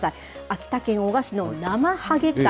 秋田県男鹿市のなまはげ館。